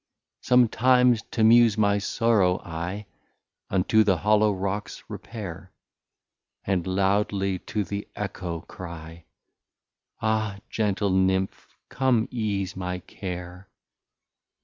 Some times t'Amuse my Sorrow, I Unto the hollow Rocks repair, And loudly to the Eccho cry, Ah! gentle Nimph come ease my Care.